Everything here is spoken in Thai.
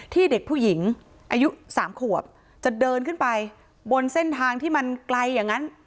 เด็กผู้หญิงอายุ๓ขวบจะเดินขึ้นไปบนเส้นทางที่มันไกลอย่างนั้น